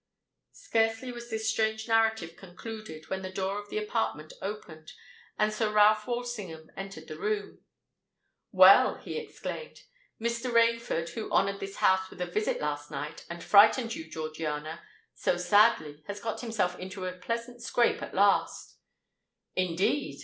Scarcely was this strange narrative concluded, when the door of the apartment opened, and Sir Ralph Walsingham entered the room. "Well," he exclaimed, "Mr. Rainford, who honoured this house with a visit last night, and frightened you, Georgiana, so sadly, has got himself into a pleasant scrape at last——" "Indeed!"